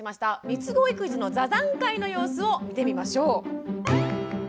みつご育児の座談会の様子を見てみましょう。